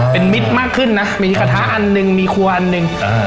เป็นมิตรมากขึ้นนะมีกระทะอันหนึ่งมีครัวอันหนึ่ง